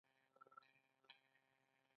د دې پوښتنو ځواب په روښانه ډول نه دی